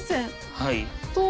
はい。